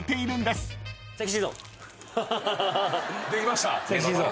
できました？